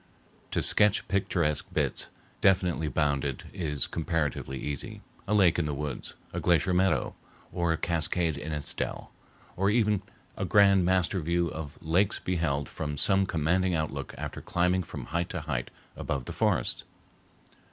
To sketch picturesque bits, definitely bounded, is comparatively easy—a lake in the woods, a glacier meadow, or a cascade in its dell; or even a grand master view of mountains beheld from some commanding outlook after climbing from height to height above the forests.